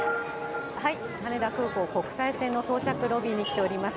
羽田空港国際線の到着ロビーに来ています。